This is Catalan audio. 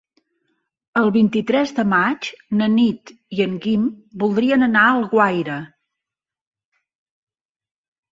El vint-i-tres de maig na Nit i en Guim voldrien anar a Alguaire.